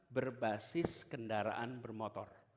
berbasis kendaraan bermotor